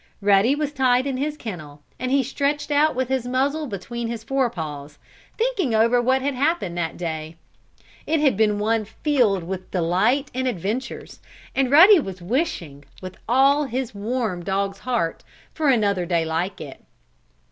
Ruddy was tied in his kennel, and he stretched out with his muzzle between his forepaws, thinking over what had happened that day. It had been one filled with delight and adventures, and Ruddy was wishing, with all his warm, dog's heart, for another day like it.